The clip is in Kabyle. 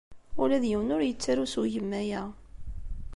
Ula d yiwen ur yettaru s ugemmay-a.